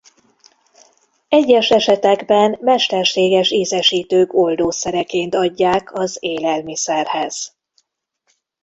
Egyes esetekben mesterséges ízesítők oldószereként adják az élelmiszerhez.